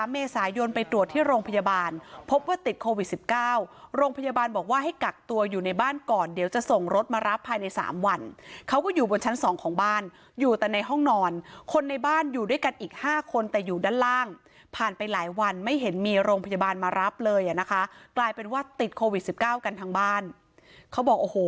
เมษายนไปตรวจที่โรงพยาบาลพบว่าติดโควิด๑๙โรงพยาบาลบอกว่าให้กักตัวอยู่ในบ้านก่อนเดี๋ยวจะส่งรถมารับภายใน๓วันเขาก็อยู่บนชั้น๒ของบ้านอยู่แต่ในห้องนอนคนในบ้านอยู่ด้วยกันอีก๕คนแต่อยู่ด้านล่างผ่านไปหลายวันไม่เห็นมีโรงพยาบาลมารับเลยอ่ะนะคะกลายเป็นว่าติดโควิด๑๙กันทั้งบ้านเขาบอกโอ้โห